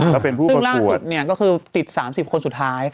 ซึ่งล่างสุดเนี่ยก็คือติด๓๐คนสุดท้าย